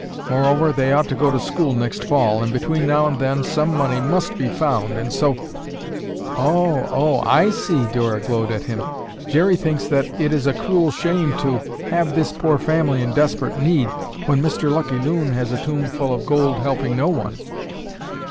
Moreover they ought to go to school next fall and between now and then, some money must be found and so—" "Oh! Oh! I see!" Dora glowed at him. "Jerry thinks that it is a cruel shame to have this poor family in desperate need when Mr. Lucky Loon has a tomb full of gold helping no one."